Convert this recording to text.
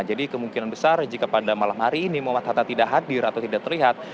jadi kemungkinan besar jika pada malam hari ini muhammad hatta tidak hadir atau tidak terlihat